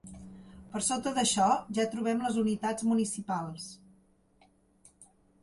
Per sota d'això, ja trobem les unitats municipals.